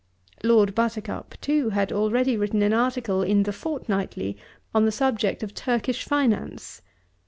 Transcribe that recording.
Lord Buttercup, too, had already written an article in "The Fortnightly" on the subject of Turkish finance.